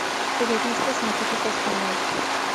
Periodista científico español.